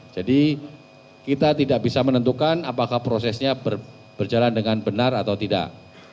jadi kita tidak bisa menentukan apakah prosesnya berjalan dengan benar atau tidak